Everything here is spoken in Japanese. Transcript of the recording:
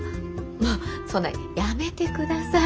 もうそんなやめてください。